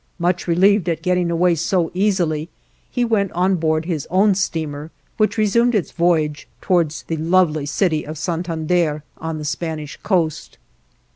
Much relieved at getting away so easily he went on board his own steamer, which resumed its voyage towards the lovely city of Santander on the Spanish coast.